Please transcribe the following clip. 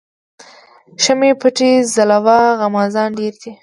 شمعی پټي ځلوه غمازان ډیر دي